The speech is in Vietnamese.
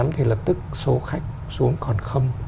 thì lập tức số khách xuống còn không